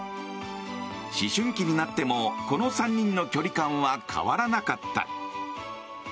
思春期になっても、この３人の距離感は変わらなかった。